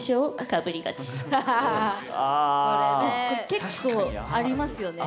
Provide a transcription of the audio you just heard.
結構ありますよね。